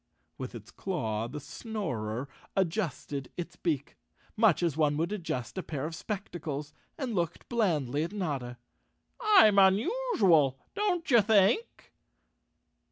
With its claw the Snorer adjusted its beak, much as one would adjust a pair of spectacles, and looked blandly at Notta. "I'm unusual—don't you think?"